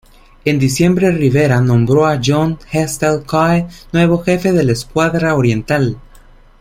En diciembre Rivera nombró a John Halstead Coe nuevo jefe de la escuadra oriental.